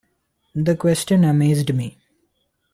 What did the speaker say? The question amazed me.